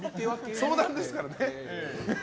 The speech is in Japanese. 相談ですからね。